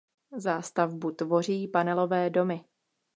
Zástavbu tvoří panelové domy.